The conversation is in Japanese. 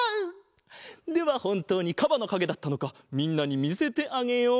ではほんとうにかばのかげだったのかみんなにみせてあげよう！